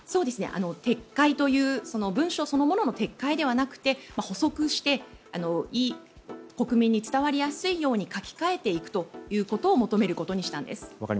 撤回という文書そのものの撤回ではなくて補足して国民に伝わりやすいように書き換えていくということを求めることにしたんです。